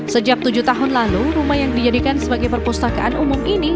sejak tujuh tahun lalu rumah yang dijadikan sebagai perpustakaan umum ini